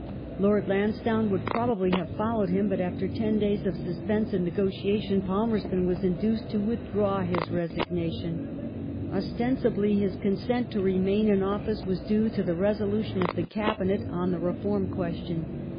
Lord Lansdowne would probably have followed him, but after ten days of suspense and negotiation Palmei ston was induced to withdraw his resignation. Ostensibly, his consent to remain in office was due to the resolution 1855] THE ALLIES IN THE BLACK SEA 225 of the Cabinet on the Reform question.